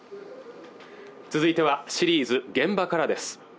続いてはシリーズ「現場から」です